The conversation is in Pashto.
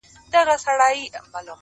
ښه تصمیمات روښانه راتلونکی جوړوي؛